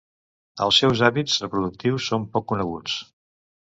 Els seus hàbits reproductius són poc coneguts.